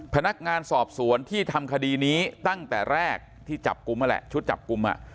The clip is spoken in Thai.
พนักงานสอบสวนที่ทำคดีนี้ตั้งแต่แรกที่จับกลุ่มนั่นแหละชุดจับกลุ่ม